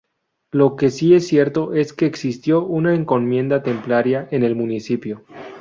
Lo que sí es cierto es que existió una encomienda templaria en el municipio.